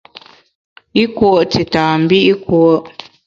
I kùo’ tita mbi’ kùo’.